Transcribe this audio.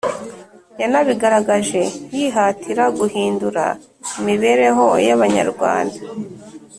yanabigaragaje yihatira guhindura imibereho y'Abanyarwanda